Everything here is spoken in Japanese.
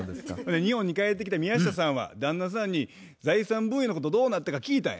日本に帰ってきた宮下さんは旦那さんに財産分与のことどうなったか聞いたんや。